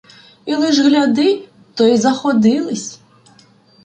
І лиш гляди, то й заходились